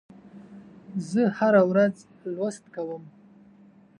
زه هره ورځ لوست کوم.